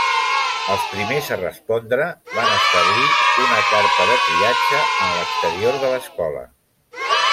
Els primers a respondre van establir una carpa de triatge en l'exterior de l'escola.